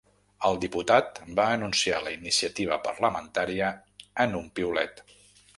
El diputat va anunciar la iniciativa parlamentària en un piulet.